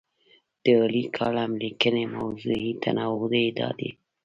د عالي کالم لیکنې موضوعي تنوع یې دا دی.